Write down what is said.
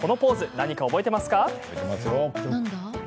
何か覚えていますか？